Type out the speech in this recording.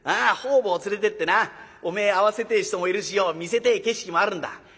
方々連れてってなおめえ会わせてえ人もいるしよ見せてえ景色もあるんだ。